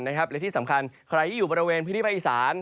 และที่สำคัญใครที่อยู่บริเวณพื้นที่ภาคอีสาน